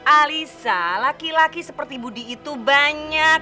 alisa laki laki seperti budi itu banyak